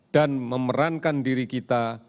dan memerankan diri kita